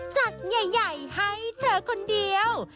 จัดใหญ่ให้เธอคนเดียว